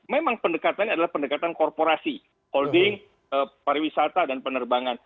memang pendekatannya adalah pendekatan korporasi holding pariwisata dan penerbangan